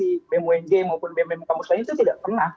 di bem unj maupun bem bem kampus lain itu tidak pernah